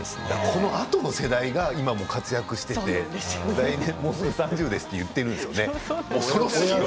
このあとの世代が今、活躍していて来年もうすぐ３０ですと言っているんですよね。